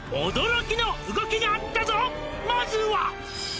「驚きの動きがあったぞまずは」